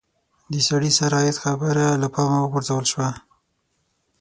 د سړي سر عاید خبره له پامه وغورځول شوه.